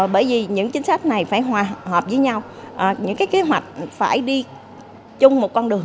bởi vì những chính sách này phải hòa hợp với nhau những cái kế hoạch phải đi chung một con đường